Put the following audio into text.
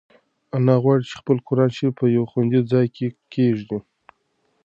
انا غواړي چې خپل قرانشریف په یو خوندي ځای کې کېږدي.